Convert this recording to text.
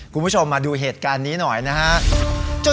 คุณผู้ชมมาดูเหตุการณ์นี้หน่อยนะครับ